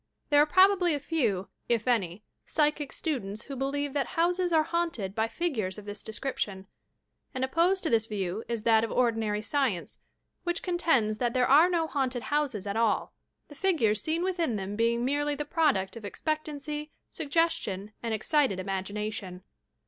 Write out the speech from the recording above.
There are probably few, if any, psychic students who believe that houses are haunted by flgures of this description, and opposed to this view is that of ordinary science, which contends that there are no haunted bouses at all — the figures seen within them being merely the product of expectancy, suggestion and excited imaf^nation!